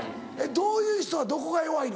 どういう人はどこが弱いの？